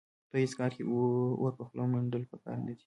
په هېڅ کار کې اور په خوله منډل په کار نه دي.